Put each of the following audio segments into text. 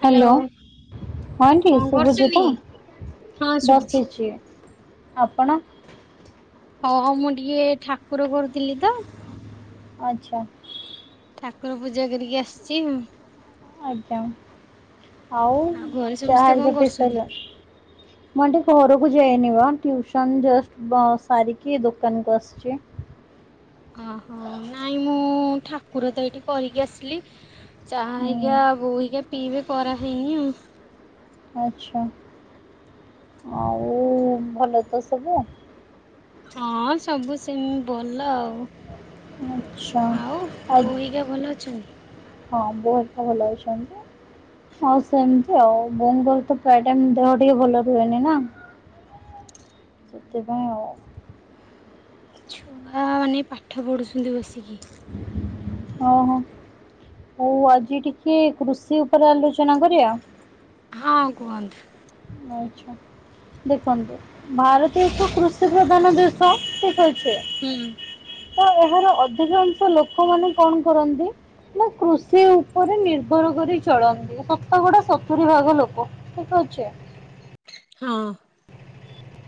Hello, ହଁଠି କଣ ଶୁଭଛି କରୁଛନ୍ତି? ତ? ହଁ ଶୁଭୁଛି। ବସିଛି। ଆପଣ? ଓ ହୋ, ମୁଁ ଟିକେ ଠାକୁର କରୁଥିଲି ତ। ଆଚ୍ଛା। ଠାକୁର ପୂଜା କରିକି ଆସିଛି ଆଉ। ଆଜ୍ଞା, ଆଉ ଘରେ ଚା ସମସ୍ତେ କଣ ହେରିକା ପିଇ କରୁଛନ୍ତି? ସାଇଲେ? ମୁଁ ଆଣ୍ଟି ଘରକୁ ଯାଇନି ବା, ଟିଉସନ ଜଷ୍ଟ ବ-ସାରିକି ଦୋକାନକୁ ଆସିଛି। ଓହୋ, ନାଇଁ ମୁଁ ଠାକୁର ତ ଏଇଠି କରିକି ଆସିଲି। ଚାହା ହୁଁ ହେଇକା ବୋଉ ହେଇକା ପିଇବେ କରାହେଇନି ଆଉ। ଆଚ୍ଛା, ଆଉ ଭଲ ତ ସବୁ? ହଁ ସବୁ ସେମ୍ ଭଲ। ଆଚ୍ଛା ଆଉ ଆ, ବୋଉ ହେଇକା ଭଲ ଅଛନ୍ତି? ହଁ ବୋଉ ହେରକା ଭଲ ଅଛନ୍ତି। ହଁ ସେମିତି ଆଉ ବୋଉଙ୍କର ତ ପ୍ରାୟ ଟାଇମ୍ ଦେହ ଟିକେ ଭଲ ରୁହେନି ନା। ସେଥିପାଇଁ ଆଉ। ଛୁଆମାନେ ପାଠ ପଢ଼ୁଛନ୍ତି ବସିକି। ଓ ହୋ। ହଉ ଆଜି ଟିକେ କୃଷି ଉପରେ ଆଲୋଚନା କରିବା? ହଁ କୁହନ୍ତୁ। ଆଚ୍ଛା। ଦେଖନ୍ତୁ ଭାରତ ଏକ କୃଷି ପ୍ରଧାନ ଦେଶ ଠିକ୍ ଅଛି। ହୁଁ। ତ ଏହାର ଅଧିକାଂଶ ଲୋକମାନେ କଣ କରନ୍ତି ନା କୃଷି ଉପରେ ନିର୍ଭର କରି ଚଳନ୍ତି ସତକଡା ସତୁରୀ ଭାଗ ଲୋକ। ଠିକ୍ ଅଛି। ହଁ।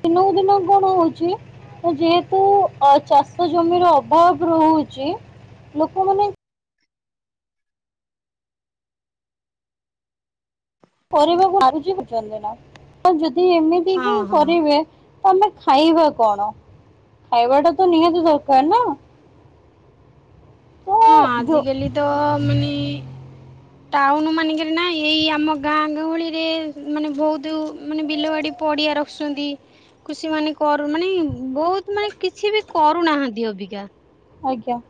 ତିନକୁ ଦିନ କଣ ହଉଛି ଅ, ଯେହେତୁ ଅ, ଚାଷ ଜମିର ଅଭାବ ରହୁଛି ଲୋକମାନେ କରିବାକୁ [inaudible] ବୁଝୁଛନ୍ତି ନା ତ ଯଦି ଏମିତି ହଁ ହିଁ ହଁ। କରିବେ ତୋମେ ଖାଇବ କଣ? ଖାଇବାଟା ତ ନିହାତି ଦରକାର ନା। ତ ହଁ ଯୋ ଆଜିିକାଲି ତ ମାନେ ଟାଉନ୍ ମାନଙ୍କରେ ନା ଏଇ ଆମ ଗାଁ ଗହଳିରେ ମାନେ ବହୁତୁ ମାନେ ବିଲବାଡି ପଡ଼ିଆ ରଖୁସନ୍ତି। କୃଷି ମାନେ କରୁ ମାନେ ବହୁତ ମାନେ କିଛି ବି କରୁନାହାନ୍ତି ଅବିକା। ଆଜ୍ଞା।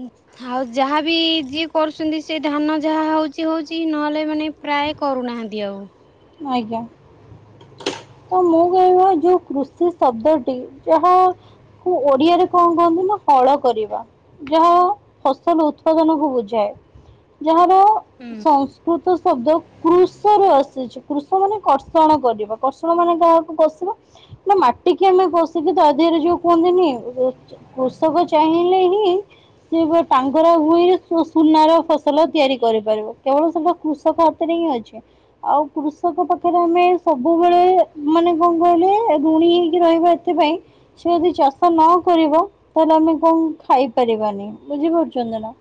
ଉଁ, ଆଉ ଯାହାବି ଯିଏ କରୁଛନ୍ତି ସେ ଧାନ ଯାହା ହଉଛି ହଉଛି ନହେଲେ ମାନେ ପ୍ରାୟ କରୁନାହାନ୍ତି ଆଉ। ଆଜ୍ଞା। ତ ମୁଁ କହିବା ଯୋଉ କୃଷି ଶବ୍ଦଟି ଯାହା କୁ ଓଡିଆରେ କଣ କୁହନ୍ତି ନା ହଳ କରିବା। ଯାହା ଫସଲ ଉତ୍ପାଦନକୁ ବୁଝାଏ। ଯାହାର ହୁଁ। ସଂସ୍କୃତ ଶବ୍ଦ କୃଷ ରୁ ଆସିଛି। କୃଷ ମାନେ କର୍ଷଣ କରିବା। କଷଣ ମାନେ କାହାକୁ କଷିବା? ନା ମାଟିକି ଆମେ କଷିକି ତା ଦେହରେ ଯୋଉ କୁହନ୍ତିନି ଏ ଯେ କୃଷକ ଚାହିଁଲେ ହିଁ ସିଏ ବ- ଟାଙ୍ଗରା ଭୂଇଁ ରେ ସୁ-ସୁନାର ଫସଲ ତିଆରି କରିପାରିବ। କେବଳ ସେଟା କୃଷକ ସେଟା ହିଁ ଅଛି, ଆଉ କୃଷକ ପାଖରେ ଆମେ ସ ସବୁବେଳେ ମାନେ କଣ କହିଲେ ଋଣୀ ହେଇକି ରହିବ ଏଥିପାଇଁ ସେ ଯଦି ଚାଷ ନ କରିବ ତାହେଲେ ଆମେ କଣ ଖାଇପାରିବାନି। ବୁଝିପାରୁଛନ୍ତି ନା?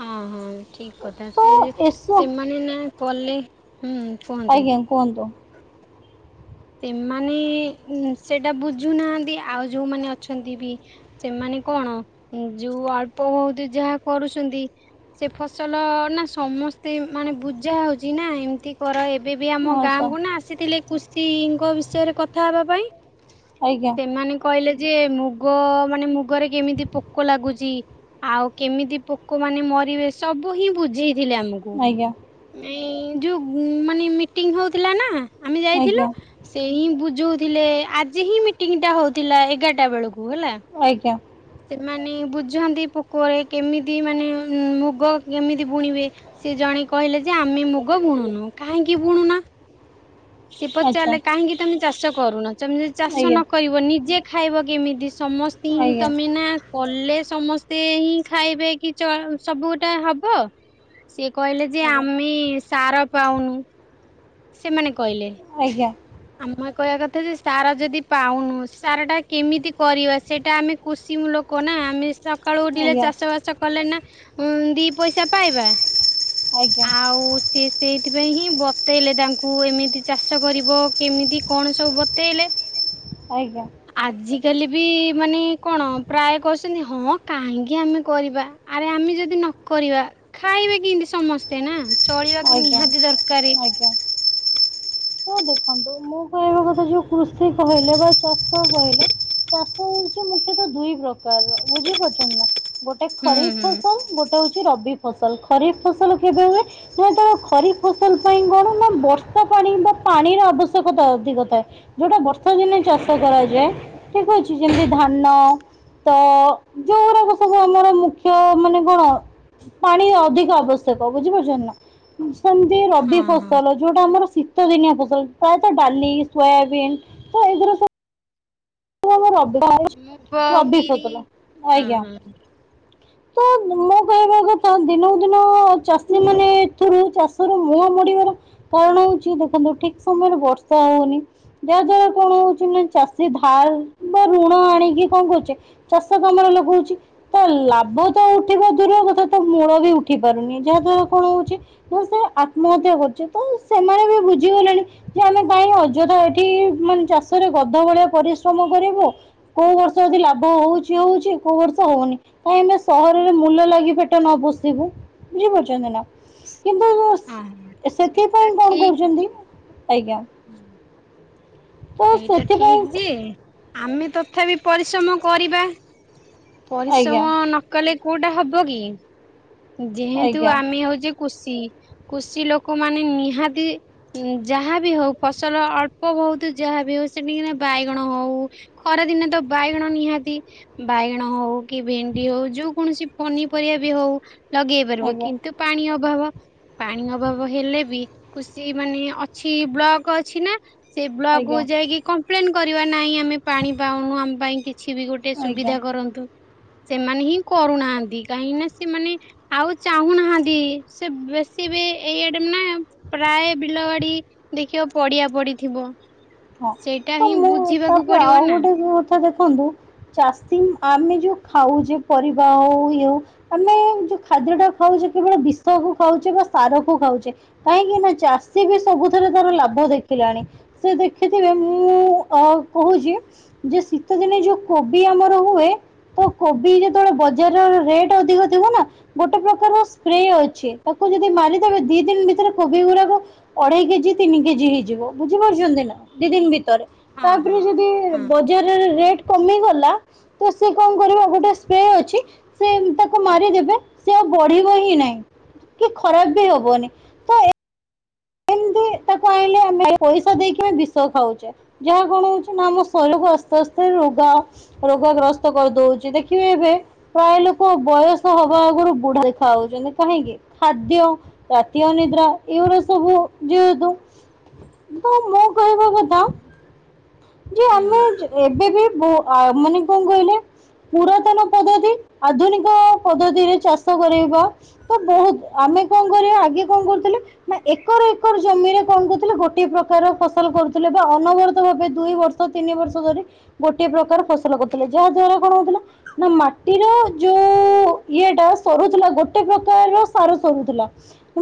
ହଁ ହଁ ଠିକ କଥା ତ ସେ ଏସ ସେମାନେ ନା କଲେ ହୁଁ। କୁହନ୍ତୁ। ଆଜ୍ଞା କୁହନ୍ତୁ? ସେମାନେ ସେଇଟା ବୁଝୁନାହାଁନ୍ତି ଆଉ ଯୋଉମାନେ ଅଛନ୍ତି ବି ସେମାନେ କଣ ଯୋଉ ଅଳ୍ପ ଭଉତୁ ଯାହା କରୁଛନ୍ତି ସେ ଫସଲ ନା ସମସ୍ତେ ମାନେ ବୁଝା ହେଉଛି ନା ଏମିତି ପର ଏବେ ବି ଆମ ହଁ ସାର୍ ଗାଁକୁ ନା ଆସିଥିଲେ କୃଷିଙ୍କ ବିଷୟରେ କଥା ହେବା ପାଇଁ ଆଜ୍ଞା। ସେମାନେ କହିଲେ ଯେ ମୁଗ ମାନେ ମୁଗରେ କେମିତି ପୋକ ଲାଗୁଛି। ଆଉ କେମିତି ପୋକ ମାନେ ମରିବେ ସବୁ ହିଁ ବୁଝେଇଥିଲେ ଆମୁ କୁ ଆଜ୍ଞା ଆମେ ଏଇ ଯୋଉ ମାନେ ମିଟିଂ ହଉଥିଲା ନା ଆମେ ଆଜ୍ଞା ଯାଇଥିଲୁ ସେ ହିଁ ବୁଝଉଥିଲେ ଆଜି ହିଁ ମିଟିଂଟା ହଉଥିଲା ଏଗାରଟା ବେଳକୁ ହେଲା? ଆଜ୍ଞା। ସେମାନେ ବୁଝାନ୍ତି ପୋକରରେ କେମିତି ମାନେ ମୁଗ କେମିତି ବୁଣିବେ। ସେ ଜଣେ କହିଲେ ଯେ ଆମେ ମୁଗ ବୁଣୁନୁ କାହିଁକି ବୁଣୁନା? ସେ ଆଚ୍ଛା ପଚାରିଲେ କାହିଁକି ତମେ ଚାଷ କରୁନ ତମେଯଦି ଚାଷ ଆଜ୍ଞା ନ କରିବ ନିଜେ ଖାଇବ କେମିତି ସମସ୍ତି ହିଁ ଆଜ୍ଞା ତମେ ନା କଲେ ସମସ୍ତେ ହିଁ ଖାଇବେକି ଚ ସବୁ ଗୋଟା ହବ। ସିଏ କହିଲେ ଯେ ଆଜ୍ଞା ଆମେ ସାର ପାଉନୁ ସେମାନେ କହିଲେ। ଆଜ୍ଞା। ଆମେ କହିବା କଥା ଯେ ସାର ଯଦି ପାଉନୁ ସାର ଟା କେମିତି କରିବା ସେଇଟା ଆମେ କୃଷି ମୂଲୋ କ ନା ଆମେ ସକାଳୁ ଉଠିଲେ ଆଜ୍ଞା ଚାଷ ବାସ କଲେ ନା ଉଁ ଦି ପଇସା ପାଇବା। ଆଜ୍ଞା ଆଉ ସିଏ ସେଇଥିପାଇଁ ହିଁ ବତେଇଲେ ତାଙ୍କୁ ଏମିତି ଚାଷ କରିବ। କେମିତି କଣ ସବୁ ବତେଇଲେ। ଆଜ୍ଞା। ଆଜିକାଲି ବି ମାନେ କଣ ପ୍ରାୟ କହୁଛନ୍ତି ହଁ କାହିଁକି ଆମେ କରିବା। ଆରେ ଆମେ ଯଦି ନ କରିବା ଖାଇବେ କେମତି ସମସ୍ତେ ନା। ଚଳିବାକୁ ଆଜ୍ଞା ନିହାତି ଦରକାରେ। [unintelligible] ହଁ ଦେଖନ୍ତୁ ମୁଁ କହିବା କଥା ଯୋଉ କୃଷି କହିଲେ ବା ଚାଷ କହିଲେ ଚାଷ ହଉଛି ମୁଖ୍ୟତଃ ଦୁଇ ପ୍ରକାରର ବୁଝିପାରୁଛନ୍ତି ନା ଗୋଟେ ହୁଁ ହୁଁ। ଖରିଫ ଫସଲ ଗୋଟେ ହଉଛି ରବି ଫସଲ ଖରିଫ ଫସଲ କେବେ ହୁଏ ହଁ ତ ଖରିଫ ଫସଲ ପାଇଁ କଣ ନା ବର୍ଷା ପାଣି ବା ପାଣିର ଆବଶ୍ୟକତା ଅଧିକ ଥାଏ ଯୋଉଟା ବର୍ଷା ଦିନେ ଚାଷ କରାଯାଏ। ଠିକ ଅଛି ଯେମିତି ଧାନ ତ ଯଉଗୁଡାକ ସବୁ ଆମର ମୁଖ୍ୟ ମାନେ କଣ? ପାଣି ଅଧିକ ଆବଶ୍ୟକ ବୁଝିପାରୁଛନ୍ତି ନା? ଉଁ ସେମତି ରବି ହଁ ହଁ। ଫସଲ ଯୋଉଟା ଆମର ଶୀ ଦିନିଆ ଫସଲ ପ୍ରାୟତଃ ଡାଲି ସୋୟାବିନ ତ ଏଇଗୁରା ସବୁ ହୁଁ ମୁଗ [unintelligible] ରବି ବିରି ଫସଲ ହଁ ଆଜ୍ଞା। ହଁ। ତ ମୁଁ କହିବା କଥା ଦିନକୁ ଦିନ ଚାଷୀ ମାନେ ଏଥିରୁ ଚା ର ମୁହଁ ମୋଡିବାର କାରଣ ହଉଛି ଦେଖନ୍ତୁ ଠିକ ସମୟରେ ବର୍ଷା ହଉନି। ଯାହାଦ୍ଵାରା କଣ ହଉଛି ନା ଚାଷୀ ଧାର ବା ଋଣ ଆଣିକି କଣ କରୁଛେ? ଚାଷ କାମରେ ଲଗଉଚି। ତ ଲାଭ ତ ଉଠିବା ଦୂର କଥା ତ ମୂଳ ବି ଉଠି ପାରୁନି ଯାହା ଦ୍ଵାରା କଣ ହଉଚି। ଵୋହୁତ୍ ଲୋକ ଆତ୍ମହତ୍ୟା କରୁଚନ୍ତି ତ ସେମାନେ ବି ବୁଝିଗଲେଣି। ଯେ ଆମେ କାହିଁ ଅଯଥା ଏଠି ମାନେ ଚାଷରେ ଗଧ ଭଳିଆ ପରିଶ୍ରମ କରିବୁ। କୋଉ ବର୍ଷ ଯଦି ଲାଭ ହଉଚି ହଉଚି କୋଉ ବର୍ଷ ହଉନି। କାହିଁ ନା ସହରରେ ମୂଲ ଲାଗି ପେଟ ନ ପୋଷିବୁ ବୁଝିପାରୁଚନ୍ତି ନା କିନ୍ତୁ ହଁ ସେଟା ସେଥିପାଇଁ କଣ ଠିକ କରୁଚନ୍ତି ଆଜ୍ଞା। [inaudible] ତ ସେଇଟା ସେଥିପାଇଁ ଠିକ୍ ଯେ ଆମେ ତଥାପି ପରିଶ୍ରମ କରିବା। ଆଜ୍ଞା ପରିଶ୍ରମ ନକଲେ କୋଉଟା ହେବ କି? ଯେହେତୁ ଆଜ୍ଞା ଆମେ ହେଉଚି କୃଷି କୃଷି ଲୋକ ମାନ ନିହାତି ଯାହାବି ହୋଉ ଫସଲ ଅଳ୍ପ ବହୁତ୍ ଯାହାବି ହୋଉ ସେଠିକିନା ବାଇଗଣ ହଉ। ଖରାଦିନ ତ ବାଇଗଣ ନିହାତି। ବାଇଗଣ ହୋଉ କି ଭେଣ୍ଡି ହୋଉ ଯୋଉ କୌଣସି ପନିପରିବା ବି ହୋଉ ଲଗେଇ ପାରିବ। ଆଜ୍ଞା କିନ୍ତୁ ପାଣି ଅଭାବ। ପାଣି ଅଭାବ ହେଲେ ବି କୃଷ ମାନେ ଅଛି ବ୍ଲକ ଅଛି ନା। ସେ ବ୍ଲକକୁୁ ଆଜ୍ଞା ଯାଇକି କମ୍ପ୍ଲେନେ କରିବା ନାହିଁ ଆମେ ପାଣି ପାଉନୁ ଆମ ପାଇଁ କି କିଛି ବି ଗୋଟେ ସୁବିଧା ଆଜ୍ଞା କରନ୍ତୁ ସେମାନେ ହିଁ କରୁନାହାନ୍ତି କାହିଁକି ନା ସେମାନେ ଆଉ ଚାହୁଁନାହାନ୍ତି ସେ ବେଶୀ ବି ଏଇଆଡେ ନା ପ୍ରାୟ ବିଲ ବାଡି ଦେଖିବ ପଡିଆ ପଡିଥିବ। ହଁ ସେଇଟା ତ ହିଁ ମୁଁ ବୁଝିବାକୁ ତାପରେ ପଡିବ ଆଉ ନା। ଗୋଟେ ନୂଆ କଥା ଦେଖନ୍ତୁ। ଚାଷୀ ଆମେ ଯୋଉ ଖାଉଚେ ପରିବା ହେଉ ଇଏ ହେଉ। ଆମେ ଯୋଉ ଖାଦ୍ୟ ଟା ଖାଉଚେ କେବଳ ବିଷ କ ଖାଉଚେ ବା ସାର କ ଖାଉଚେ। କାହିଁକି ନା ଚାଷୀ ବି ସବୁଥିରେ ତାର ଲାଭ ଦେଖିଲାଣି ସେ ଦେ ଦେଖଥିବେ ମୁଁ ଅ କହୁଚି ଯେ ଶୀତ ଦିନେ ଯୋଉ କୋବି ଆମର ହୁଏ। ତ କୋବି ଯେତେବେଳେ ବଜାରେ ରେଟେ ଅଧିକ ଥିବ ନା ଗୋଟେ ପ୍ରକାର ସ୍ପ୍ରେ ଅଛି ତାକୁ ଯଦି ମାରିଦେବେ ଦି ଦିନି ଭିତରେ କୋବି ଗୁରାକ ଅଢେଇ କେଜି ତିନି କେଜି ହେଇଯିବ ବୁଝିପାରୁଚନ୍ତି ନା। ଦି ଦିନି ଭିତରେ ତାପରେ ଯଦି ବ ଯେ ଆର ରେଟେ କମିଗଲା ତ ସେ କଣ କରିବ ଗୋଟେ ସ୍ପ୍ରେ ଅଛି। ସେ ତାକୁ ମାରିଦେବେ ସେ ଆଉ ବଢିବ ହିଁ ନାହିଁ କି ଖରାପ ବି ହବନେନି। ଏମତି ତାକୁ ଆଣିଲେ ଆମେ ପଇସା ଦେଇକି ବି ବିଷ ଖାଉଚେ। ଯାହା କଣ ହୋଉଚି ନା ଆମ ଶରୀରକୁ ଆସ୍ତେ ଆସ୍ତେ ରୋଗା ରୋଗ ଗ୍ରସ୍ତ କରିଦଉଚି। ଦେଖିବେ ଏବେ ପ୍ରାୟ ଲୋକ ବୟଷ ହବା ଆଗରୁ ବୁଢା ଦେଖା ହୋଉଚନ୍ତି କାହିଁକି ଖାଦ୍ୟ। ରାତି ଅନିଦ୍ରା ଏଗୁଡା ସବୁ ଯେହେତୁ ତ ମୁଁ କହିବା କଥା। [inaudible] ଯେ ହୁଁ। ଆମେ ଏବେ ବି ମାନେ କଣ କହିଲେ? ପୁରାତନ ପଦ୍ଧତି ଆଧୁନିକ ପଦ୍ଧତିରେ ଚାଷ କରେଇବା। ତ ବହୁତ୍ ଆମେ କଣ କରିବା ଆଗେ କଣ କରୁଥୁଲେ। ନା ଏକର ଏକର ଜମିରେ କଣ କରୁଥିଲେ ଗୋଟେ ପ୍ରକାର ଫସଲ କରୁଥିଲେ ବା ଅନବରତ ଭାବେ ଦୁଇ ବର୍ଷ ତିନି ବର୍ଷ ଧରି ଗୋଟିଏ ପ୍ରକାର ଫସଲ କରୁଥିଲେ ଯାହା ଦ୍ଵାରା କଣ ହଉଥିଲା। ନା ମାଟିର ଯୋଉ ଇଏଟା ସରୁଥିଲା ଗୋଟେ ପ୍ରକାରର ସାର ସରୁଥିଲା।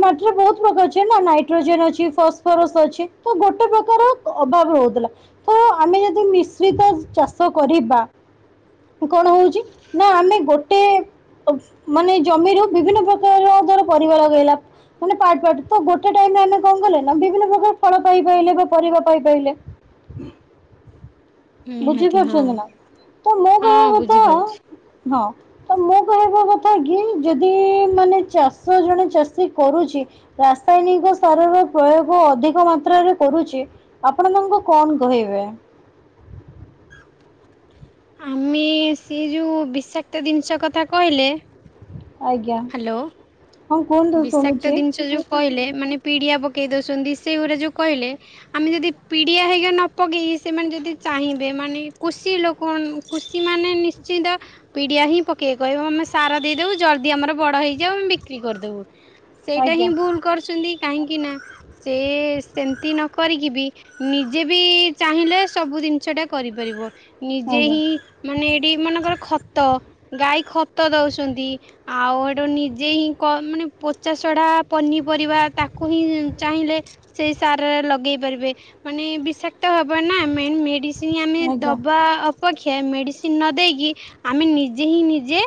ମାଟିରେ ବହୁତ୍ ପ୍ରକାର ଅଛି ନା ନାଇଟ୍ରୋଜେନେ ଅଛି ଫସ୍ଫରସ୍ ଅଛି ତ ଗୋଟେ ପ୍ରକାର। ଅଭାବ ରହୁଥିଲା ତ ଆମେ ଯଦି ମିଶ୍ରିତ ଚାଷ କରିବା। କଣ ହଉଛି ନା ଆମେ ଗୋଟେ ମାନେ ଜମିରୁ ବିଭିନ୍ନ ପ୍ରକାରର ଧର ପରିବା ଲଗେଇଲା ମାନେ ପାର୍ଟ ପାର୍ଟ ତ ଗୋଟେ ଟାଇମ୍ ରେ ଆମେ କଣ କଲେ ନା ବିଭିନ୍ନ ପ୍ରକାର ଫଳ ପାଇ ପାଇଲେ ବା ପରିବା ପାଇ ପାଇଲେ। ନିହାତି ହଁ ବୁଝିପାରୁଛନ୍ତି ନା? ତ ମୋ ହଁ କହିବା କଥା ବୁଝିପାରୁଛି। ହଁ। ତ ମୋ କହିବା କଥା କି ଯଦି ମାନେ ଚାଷ ଜଣେ ଚାଷୀ କରୁଛି ରାସାୟନିକ ସାରର ପ୍ରୟୋଗ ଅଧିକ ମାତ୍ରାରେ କରୁଛି ଆପଣ ତାଙ୍କୁ କଣ କହିବେ? ଆମେ ସେ ଯୋଉ ବିଷାକ୍ତ ଜିନିଷ କଥା କହିଲେ ଆଜ୍ଞା ହ୍ୟାଲୋ। ହଁ କୁହନ୍ତୁ ବିଷାକ୍ତ ଶୁଣୁଛି ଜିନିଷ ଯୋଉ କହିଲେ ମାନେ ପିଡ଼ିଆ ପକାଇ ଦେଉସନ୍ତି ସେଇଗୁରା ଯଉ କହିଲେ ଆମେ ଯଦି ପିଡ଼ିଆ ହେରିକା ନ ପକେଇକି ସେମାନେ ଯଦି ଚାହିଁବେ ମାନେ କୃଷି ଲୋକ କଣ କୃଷିମାନେ ନିଶ୍ଚିତ ପିଡ଼ିଆ ହିଁ ପକେଇବାକୁ କହିବେ ଆମେ ସାର ଦେଇଦବୁ ଜଲଦି ଆମର ବଡ଼ ହେଇଯାଉ ଆମେ ବିକ୍ରି କରିଦବୁ। ସେଇଟା ହିଁ ଆଜ୍ଞା ଭୁଲ କରୁଛନ୍ତି କାହିଁକି ନା ସେ ସେମିତି ନ କରିକି ବି ନିଜେ ବି ଚାହିଁଲେ ସବୁ ଜିନିଷ ଟା କରିପାରିବ ନିଜେ ଆଜ୍ଞା ହିଁ ମାନେ ଏଇଠି ମନେକର ଖତ ଗାଈ ଖତ ଦଉଛନ୍ତି ଆଉ ଏଠୁ ନିଜେ ହିଁ ମାନେ ପଚା ସଢ଼ା ପନିପରିବା ତାକୁ ହିଁ ଚାହିଁଲେ ସେଇ ସାର ରେ ଲଗେଇ ପାରିବେ ମାନେ ବିଷାକ୍ତ ହବନି ନା ମେନ୍ ମେଡ଼ିସିନ ଆମେ ଆଜ୍ଞା ଦେବା ଅପେକ୍ଷା ମେଡ଼ିସିନ ନ ଦେଇକି ଆମେ ନିଜେ ହିଁ ନିଜେ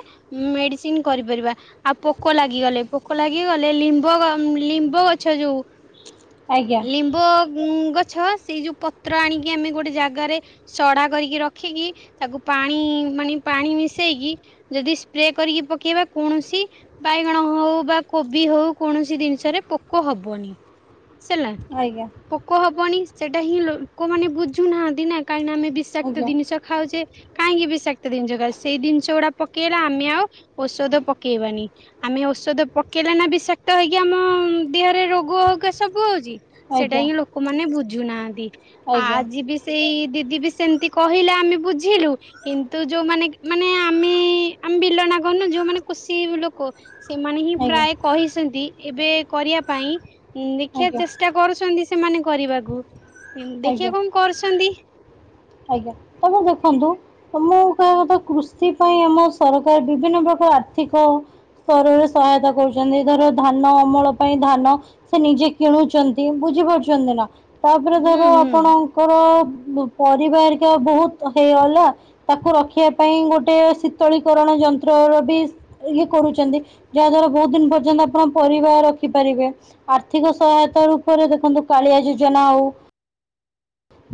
ମେଡ଼ିସିନ କରିପାରିବା। ଆଉ ପୋକ ଲାଗିଗଲେ ପୋକ ଲାଗି ଗଲେ ନିମ୍ବ ନିମ୍ବ ଗଛ ଯୋଉ ଆଜ୍ଞା ନିମ୍ବ ଗଛ ସେଇ ଯେଉଁ ପତ୍ର ଆଣିକି ଆମେ ଗୋଟେ ଜାଗାରେ ସଢ଼ା କରିକି ରଖିକି ତାକୁ ପାଣି ମାନେ ପାଣି ମିଶେଇକି ଯଦି ସ୍ପ୍ରେ କରିକି ପକେଇବା କୌଣସି ବାଇଗଣ ହଉ ବା କୋବି ହଉ କୌଣସି ଜିନିଷରେ ପୋକ ହବନି ହେଲା। ଆଜ୍ଞା ପୋକ ହବନି ସେଟା ହିଁ ଲୋକମାନେ ବୁଝୁନାହାନ୍ତି ନା କାହିଁକିନା ଆମେ ବିଷାକ୍ତ ଆଜ୍ଞା ଆଜ୍ଞା ଜିନିଷ ଖାଉଛେ କାହିଁକି ବିଷାକ୍ତ ଜିନିଷ ଖାଉଛେ ସେଇ ଜିନିଷ ଗୁଡ଼ା ପକେଇଲେ ଆମେ ଆଉ ଔଷଧ ପକେଇବାନି ଆମେ ଔଷଧ ପକେଇଲେ ନା ବିଷାକ୍ତ ହେଇକି ଆମ ଦେହରେ ରୋଗହକା ସବୁ ହଉଛି ସେଟା ହିଁ ଲୋ ଆଜ୍ଞା ଲୋକମାନେ ବୁଝୁନାହାନ୍ତି ଆଜି ବି ସେଇ ଦିଦି ବି ସେମିତି କହିଲେ ଆମେ ବୁଝିଲୁ କିନ୍ତୁ ଯୋଉମାନେ ମାନେ ଆମେ ଆମେ ବିଲ ନା କରୁନୁ ଯୋଉମାନେ କୃଷି ଲୋକ ସେମାନେ ହିଁ ଆଜ୍ଞା ପ୍ରାୟ କହିଛନ୍ତି ଏବେ କରିବା ପାଇଁ ଦେଖିବା ଚେଷ୍ଟା ଆଜ୍ଞା ଚେଷ୍ଟା କରୁସନ୍ତି ସେମାନେ କରିବାକୁ ଆଜ୍ଞା ଦେଖିଆ କଣ କରୁଛନ୍ତି। ଆଜ୍ଞା ତାପରେ ଦେଖନ୍ତୁ ତ ମୁଁ କହିବା କଥା କୃଷି ପାଇଁ ଆମ ସରକାର ବିଭିନ୍ନ ପ୍ରକାର ଆର୍ଥିକ ସ୍ତରରେ ସହାୟତା କରୁଛନ୍ତି ଧର ଧାନ ଅମଳ ପାଇଁ ଧାନ ସେ ନିଜେ କିଣୁଛନ୍ତି ବୁଝିପାରୁଛନ୍ତି ନା ତାପରେ ହଁ ଧର ଆପଣଙ୍କର ପରିବା ହେରିକା ବହୁତ ହେଇଗଲା ତାକୁ ରଖିବା ପାଇଁ ଗୋଟେ ଶୀତଳୀକରଣ ଯନ୍ତ୍ର ର ବି ଇଏ କରୁଛନ୍ତି ଯାହା ଦ୍ଵାରା ବହୁତ ଦିନ ପର୍ଯ୍ୟନ୍ତ ଆପଣ ପରିବା ରଖିପାରିବେ। ଆର୍ଥିକ ସହାୟତା ରୂପରେ ଦେଖନ୍ତୁ କାଳିଆ ଯୋଜନା ଆଉ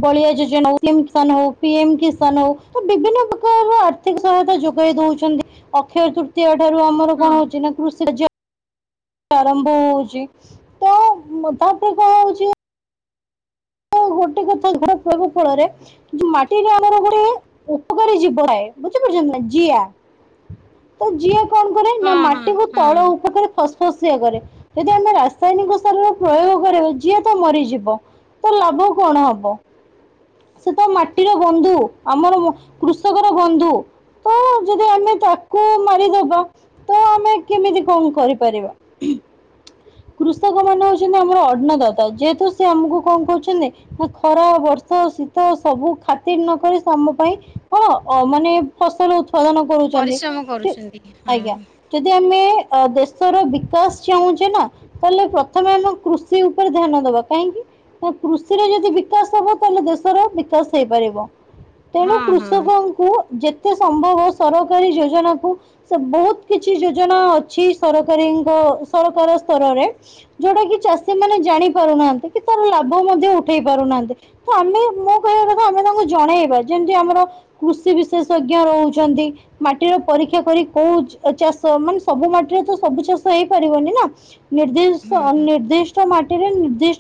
ବଳିଆ ଯୋଜନା ହଉ, ପି ଏମ୍ କିଷାନ ହଉ, ସି ଏମ୍ କିଷାନ ହଉ ବିଭିନ୍ନ ପ୍ରକାରର ଆର୍ଥିକ ସହାୟତା ଯୋଗାଇ ଦଉଚନ୍ତି। ଅକ୍ଷୟ ତୃତୀୟ ଠାରୁ ଆମର କଣ ହଁ ହଉଛି, ନା କୃଷି କାର୍ଯ୍ୟ ଆରମ୍ଭ ହଉଛି। ତ, ତା ପୂର୍ବରୁ ହଉଚି ଗୋଟେ କଥା [unintelligible] ଯୋଉ ମାଟିରେ ଆମର ଗୋଟେ ଉପକାରୀ ଜୀବ ଥାଏ, ବୁଝିପାରୁଛନ୍ତି ନା ଜିଆ? ତ ଜିଅ କଣ କରେ, ନା ହଁ ମାଟିକୁ ହଁ ତଳ ଉପକୁ ଫସ୍ ଶୋଷଆ କରେ। ଯଦି ଆମେ ରାସାୟନିକ ସାରର ପ୍ରୟୋଗ କରବୁ ଜିଆ ତ ମରିଯିବ। ତ, ଲାଭ କଣ ହବ? ସେ ତ ମାଟିର ବନ୍ଧୁ। ଆମର କୃଷକର ବନ୍ଧୁ। ତ, ଯଦି ଆମେ ତାକୁ ମାରିଦବା ତ, ଆମେ କେମିତି କଣ କରିପାରିବା? କୃଷକମାନେ ହଉଛନ୍ତି ଆମର ଅନ୍ନଦାତା। ଯେ ହେତୁ ସେ ଆମକୁ କଣ କରୁଚନ୍ତି ଖରା, ବର୍ଷା, ଶୀତ ସବୁ ଖାତିର ନ କରି, ସେ ଆମ ପାଇଁ କଣ ମାନେ ଫସଲ ଉତ୍ପାଦନ କରୁଛନ୍ତି। ପରିଶ୍ରମ କରୁଛନ୍ତି ହଁ ଆଜ୍ଞା। ଯଦି ଆମେ ଦେଶର ବିକାଶ ଚାହୁଁଛେ ନା ତା ହେଲେ ପ୍ରଥମେ ଆମ କୃଷି ଉପରେ ଧ୍ୟାନ ଦବା। କାହିଁକି ନା କୃଷିରେ ଯଦି ବିକାଶ ହବ, ତା ହେଲେ ଦେଶର ବିକାଶ ହେଇପାରିବ। ତେଣୁ ହଁ ହଁ କୃଷକଙ୍କୁ ଯେତେ ସମ୍ଭବ ସରକାରୀ ଯୋଜନାକୁ ସେ ବହୁତ କିଛି ଯୋଜନା ଅଛି, ସରକାରୀଙ୍କ ସରକାର ସ୍ତରରେ। ଯୋଉଟା କି ଚାଷୀ ମାନେ ଜାଣି ପାରୁନାହାନ୍ତି। ତାର ଲାଭ ମଧ୍ୟ ଉଠେଇ ପାରୁନାହାନ୍ତି। ତ, ଆମେ ମୋ କହିବା କଥା, ଆମେ ତାଙ୍କୁ ଜଣେଇବ। ଯେମିତି ଆମର କୃଷି ବିଶେଷଜ୍ଞ ରହୁଛନ୍ତି। ମାଟିର ପରୀକ୍ଷା କରି କୋଉ ଚାଷ ମାନେ ସବୁ ମାଟିରେ ତ ସବୁ ଚାଷ ହେଇପାରିବନି ନା। ହୁଁ। ନିର୍ଦ୍ଦିଷ୍ଟ, ନିର୍ଦ୍ଦିଷ୍ଟ ମାଟିରେ ନିର୍ଦ୍ଦିଷ୍ଟ